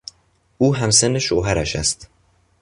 او همسن شوهرش است.